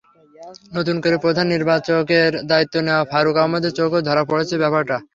নতুন করে প্রধান নির্বাচকের দায়িত্ব নেওয়া ফারুক আহমেদের চোখেও ধরা পড়েছে ব্যাপারটা।